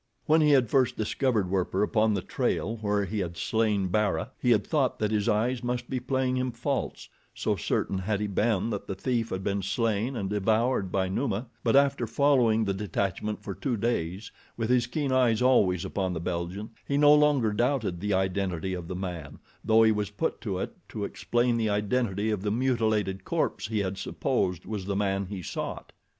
When he had first discovered Werper upon the trail where he had slain Bara, he had thought that his eyes must be playing him false, so certain had he been that the thief had been slain and devoured by Numa; but after following the detachment for two days, with his keen eyes always upon the Belgian, he no longer doubted the identity of the man, though he was put to it to explain the identity of the mutilated corpse he had supposed was the man he sought.